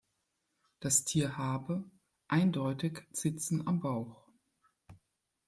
Das Tier habe eindeutig Zitzen am Bauch.